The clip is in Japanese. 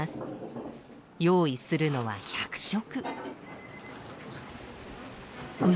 用意するのは１００食。